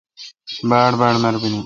باڑباڑ مربینی ۔